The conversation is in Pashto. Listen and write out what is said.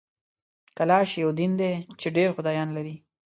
کلاش یو دین دی چي ډېر خدایان لري